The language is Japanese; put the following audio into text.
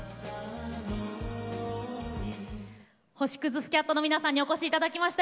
星屑スキャットの皆さんにお越しいただきました。